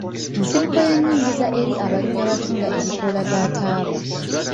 Nsibuko ya nyingiza eri abalimi abatunda ebikooka bya taaba.